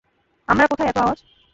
আমরা কোথায় এতো আওয়াজ!